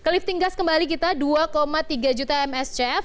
kelifting gas kembali kita dua tiga juta mscf